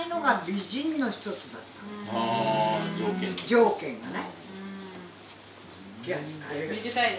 条件がね。